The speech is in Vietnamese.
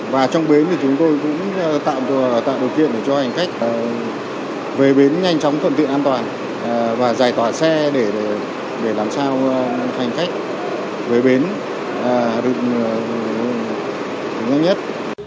và trong bến thì chúng tôi cũng tạm điều kiện để cho hành khách về bến nhanh chóng thuận tiện an toàn và giải tỏa xe để làm sao hành khách về bến được nhanh nhất